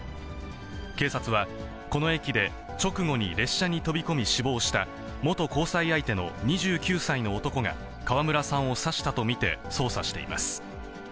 警察はこの駅で、直後に列車に飛び込み死亡した元交際相手の２９歳の男が川村さんを刺したと見て捜査しています。